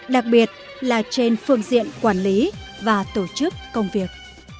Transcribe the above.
đặc biệt là trên phương diện quản lý và tổ chức công việc